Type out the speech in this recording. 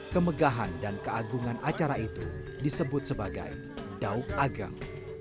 kemegahan dan keagungan acara itu disebut sebagai daug ageng